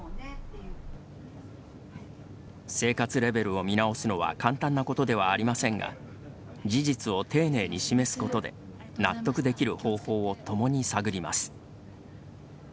生活レベルを見直すのは簡単なことではありませんが事実を丁寧に示すことで納得できる方法を共に探ります。